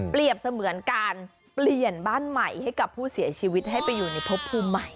เสมือนการเปลี่ยนบ้านใหม่ให้กับผู้เสียชีวิตให้ไปอยู่ในพบภูมิใหม่